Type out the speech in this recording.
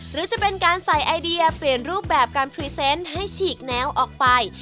หรือจะเป็นการใส่ไอเดียเปลี่ยนรูปแบบการพรีเซนต์ให้ฉีกแนวออกไป